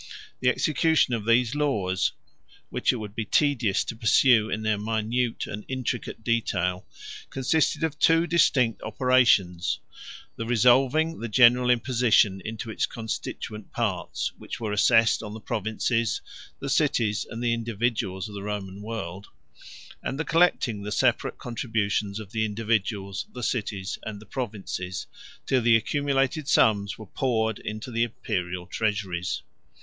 The execution of these laws (which it would be tedious to pursue in their minute and intricate detail) consisted of two distinct operations: the resolving the general imposition into its constituent parts, which were assessed on the provinces, the cities, and the individuals of the Roman world; and the collecting the separate contributions of the individuals, the cities, and the provinces, till the accumulated sums were poured into the Imperial treasuries.